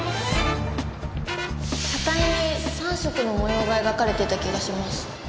車体に３色の模様が描かれていた気がします。